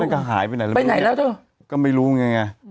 ก็นั่นก็หายไปไหนแล้วไม่รู้ไงก็ไม่รู้ไง